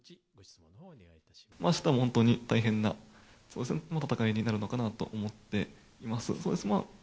あしたは本当に大変な戦いになるのかなと思っています。